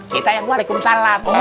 kita yang waalaikumsalam